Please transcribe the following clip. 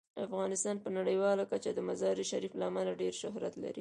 افغانستان په نړیواله کچه د مزارشریف له امله ډیر شهرت لري.